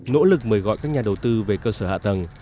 nỗ lực mời gọi các nhà đầu tư về cơ sở hạ tầng